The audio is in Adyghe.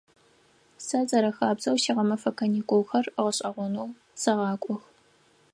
Сэ зэрэхабзэу сигъэмэфэ каникулхэр гъэшӏэгъонэу сэгъакӏох.